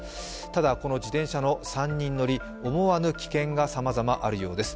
ただこの自転車の３人乗り、思わぬ危険が様々あるようです。